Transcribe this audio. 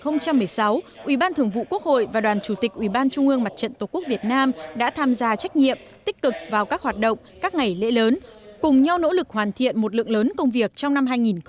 năm hai nghìn một mươi sáu ủy ban thường vụ quốc hội và đoàn chủ tịch ủy ban trung ương mặt trận tổ quốc việt nam đã tham gia trách nhiệm tích cực vào các hoạt động các ngày lễ lớn cùng nhau nỗ lực hoàn thiện một lượng lớn công việc trong năm hai nghìn một mươi chín